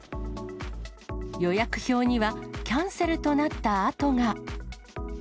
予約表には、キャンセルとなった跡が。